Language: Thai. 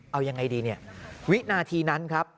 เอายังไงดีเนี่ยวินาทีนั้นครับ